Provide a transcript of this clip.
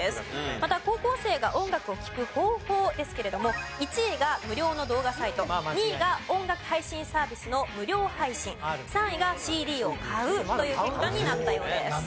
また高校生が音楽を聴く方法ですけれども１位が無料の動画サイト２位が音楽配信サービスの無料配信３位がＣＤを買うという結果になったようです。